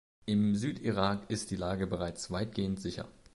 Im Südirak ist die Lage bereits weitgehend sicher.